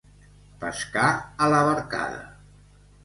Pescar a la barcada.